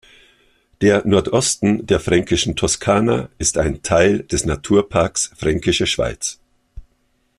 Der Nordosten der Fränkischen Toskana ist ein Teil des Naturparks Fränkische Schweiz.